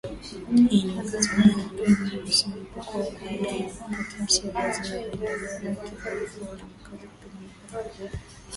Hii ni wakati Wamarekani Weusi walipokuwa wakidai na kupokea sheria zinazolinda haki za kuwa na makazi, kupiga kura, kuajiriwa, na mambo mengine muhimu